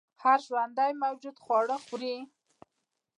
هر ژوندی موجود خواړه خوري